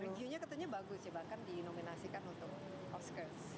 review nya sepertinya bagus ya bahkan di nominasikan untuk oscars